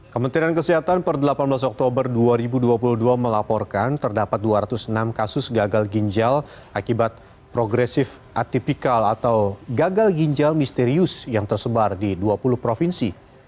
kementerian kesehatan per delapan belas oktober dua ribu dua puluh dua melaporkan terdapat dua ratus enam kasus gagal ginjal akibat progresif atipikal atau gagal ginjal misterius yang tersebar di dua puluh provinsi